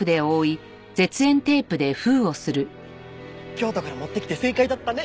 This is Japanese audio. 京都から持ってきて正解だったね。